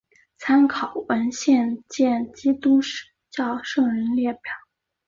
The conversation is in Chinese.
参考文献见基督教圣人列表。